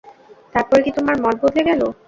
তারপরে কি তোমার মত বদলে গেল?